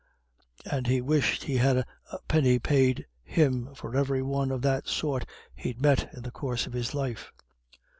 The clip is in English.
And he wished he had a penny ped him for every one of that sort he'd met in the coorse of his life."